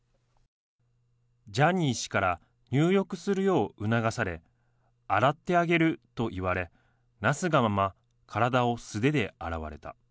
ジャニー氏から入浴するよう促され、洗ってあげると言われ、なすがまま体を素手で洗われた。